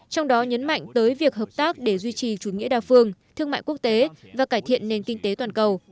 trong đó nhấn mạnh tới việc hợp tác để duy trì chủ nghĩa đa phương thương mại quốc tế và cải thiện nền kinh tế toàn cầu